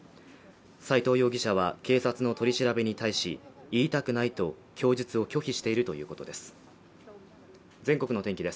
斎藤容疑者は警察の取り調べに対し言いたくないと、供述を拒否しているということです。